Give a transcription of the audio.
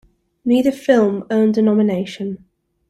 Neither film earned a nomination.